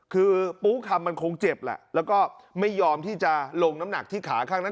คือปูคำมันคงเจ็บแหละแล้วก็ไม่ยอมที่จะลงน้ำหนักที่ขาข้างนั้น